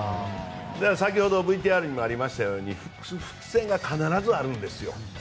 先ほどＶＴＲにもありましたように伏線が必ずあるんですよ。